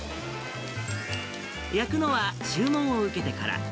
焼くのは注文を受けてから。